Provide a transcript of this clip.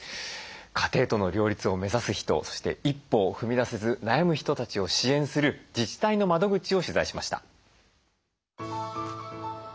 家庭との両立を目指す人そして一歩を踏み出せず悩む人たちを支援する自治体の窓口を取材しました。